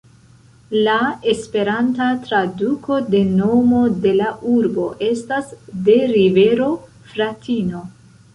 La esperanta traduko de nomo de la urbo estas "de rivero "Fratino".